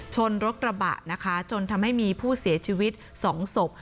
ชนรถกระบะนะคะจนทำให้มีผู้เสียชีวิต๒ศพ